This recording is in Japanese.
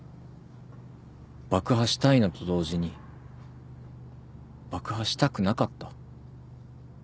爆破したいのと同時に爆破したくなかった。